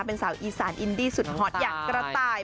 เป็นสาวอีสานอินดี้สุดฮอตอย่างกระต่าย